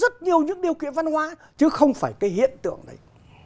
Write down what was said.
có rất nhiều những điều kiện văn hóa chứ không phải cái hiện tượng đấy